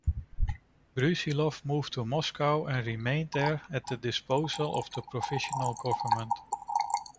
Brusilov moved to Moscow and remained there at the disposal of the Provisional Government.